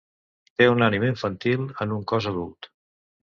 Té una ànima infantil en un cos adult.